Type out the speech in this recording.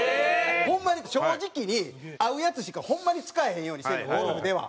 ホンマに正直に合うやつしかホンマに使わへんようにしているのゴルフでは。